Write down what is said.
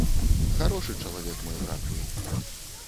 Харошы чалавек мой брат быў.